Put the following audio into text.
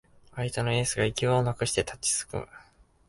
相手のエースが行き場をなくして立ちすくむ